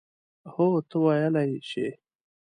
هو، ته ویلای شې.